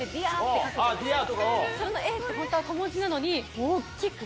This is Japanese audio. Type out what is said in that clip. それの「ａ」ってホントは小文字なのに。